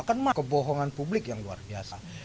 kan mah kebohongan publik yang luar biasa